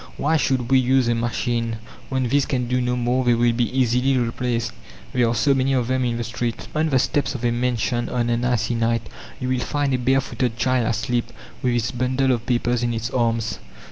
Why should we use a machine? When these can do no more, they will be easily replaced, there are so many of them in the street!" On the steps of a mansion on an icy night you will find a bare footed child asleep, with its bundle of papers in its arms